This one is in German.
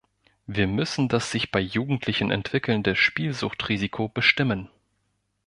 Wir müssen das sich bei Jugendlichen entwickelnde Spielsuchtrisiko bestimmen.